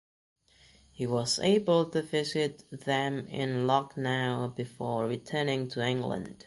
He was able to visit them in Lucknow before returning to England.